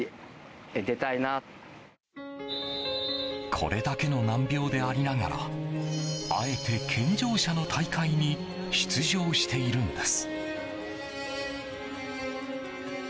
これだけの難病でありながらあえて健常者の大会に出場しているんです。